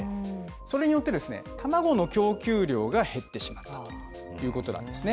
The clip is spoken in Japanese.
それによって、たまごの供給量が減ってしまったということなんですね。